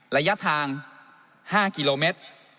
ระยะทาง๕กิโลเมตร